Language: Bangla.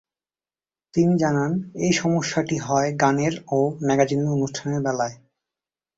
তিনি জানান, এই সমস্যাটি বেশি হয় গানের ও ম্যাগাজিন অনুষ্ঠানের বেলায়।